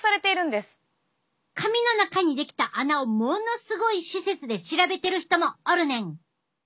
髪の中に出来た穴をものすごい施設で調べてる人もおるねん。